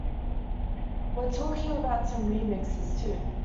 We're talking about some re-mixes too.